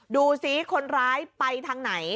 ดูซิคนร้ายไปทางไหน